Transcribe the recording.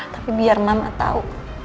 tapi biar mama tau